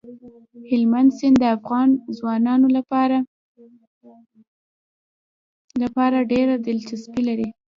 هلمند سیند د افغان ځوانانو لپاره ډېره دلچسپي لري.